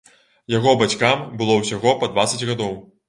Яго бацькам было ўсяго па дваццаць гадоў.